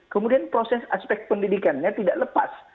kemudian proses aspek pendidikannya tidak lepas